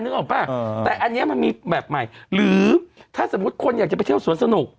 ออกป่ะแต่อันนี้มันมีแบบใหม่หรือถ้าสมมุติคนอยากจะไปเที่ยวสวนสนุก